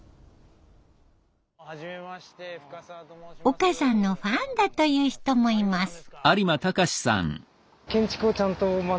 岡さんのファンだという人もいます。